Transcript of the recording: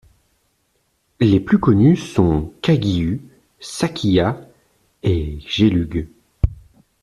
Les plus connues sont kagyu, sakya et gelug.